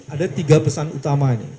ada tiga pesan utama ini